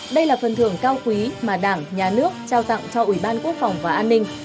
đây là phần thưởng cao quý mà đảng nhà nước trao tặng cho ủy ban quốc phòng và an ninh